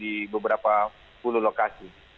di beberapa puluh lokasi